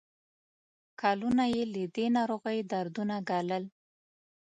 کلونه یې له دې ناروغۍ دردونه ګالل.